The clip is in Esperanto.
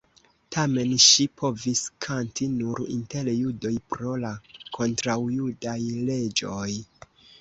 Tamen ŝi povis kanti nur inter judoj pro la kontraŭjudaj leĝoj.